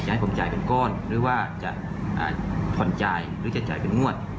ให้ผมจ่ายเป็นก้อนหรือว่าจะผ่อนจ่ายหรือจะจ่ายเป็นงวด